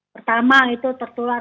pertama itu tertular